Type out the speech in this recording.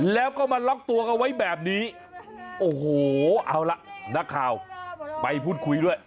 แล้วก็มาล็อกตัวเอาไว้แบบนี้โอ้โหเอาละนักข่าวไปพูดคุยด้วย